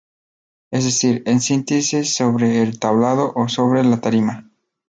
Es decir, en síntesis sobre el tablado o sobre la tarima.